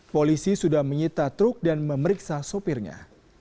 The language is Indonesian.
polisi sudah menyita truk dan memeriksa sopirnya